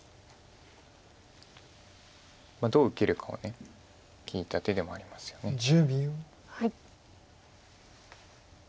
どう受けるかを聞いた手でもありますよね。